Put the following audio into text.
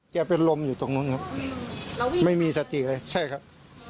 เป็นลมอยู่ตรงนู้นครับไม่มีสติเลยใช่ครับ